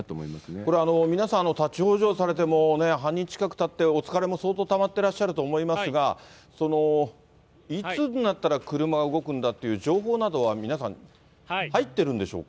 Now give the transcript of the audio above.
これ、皆さん、立往生されても、半日近くたって、お疲れも相当たまってらっしゃると思いますが、いつになったら車が動くんだっていう情報などは皆さん、入ってるんでしょうか。